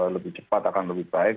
lebih cepat akan lebih baik